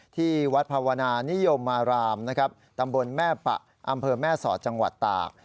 ที่วัดภาวนานิยมมารามนะครับตำบลแม่ปะอำเภอแม่สอดจังหวัดตาก